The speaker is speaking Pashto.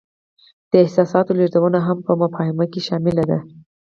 د احساساتو لیږدونه هم په مفاهمه کې شامله ده.